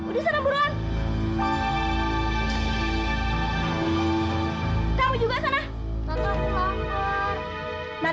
rasa ini tiba tiba ada